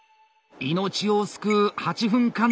命を救う８分間の闘い。